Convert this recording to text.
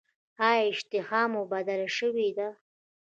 ایا اشتها مو بدله شوې ده؟